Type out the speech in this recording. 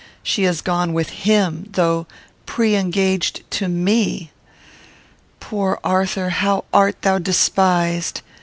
She has gone with him, though pre engaged to me! Poor Arthur, how art thou despised!